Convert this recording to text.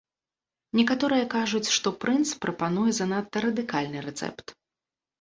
Некаторыя кажуць, што прынц прапануе занадта радыкальны рэцэпт.